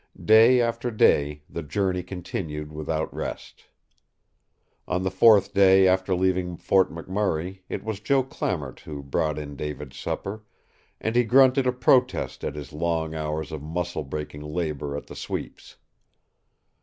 Day after day the journey continued without rest. On the fourth day after leaving Fort McMurray it was Joe Clamart who brought in David's supper, and he grunted a protest at his long hours of muscle breaking labor at the sweeps.